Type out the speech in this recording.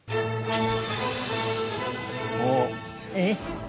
おお！えっ！？